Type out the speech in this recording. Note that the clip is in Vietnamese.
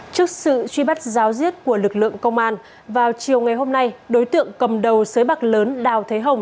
trước sự truy bắt giáo diết của lực lượng công an vào chiều ngày hôm nay đối tượng cầm đầu sới bạc lớn đào thế hồng